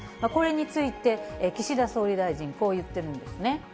これについて、岸田総理大臣、こう言ってるんですね。